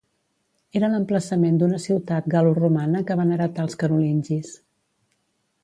Era l'emplaçament d'una ciutat galo-romana que van heretar els Carolingis.